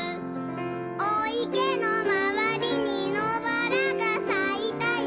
「おいけのまわりにのばらがさいたよ」